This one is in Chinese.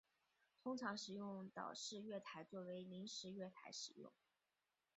通常使用岛式月台作为临时月台使用。